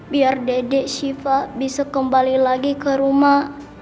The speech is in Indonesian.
biar dedek syifa bisa kembali lagi ke rumah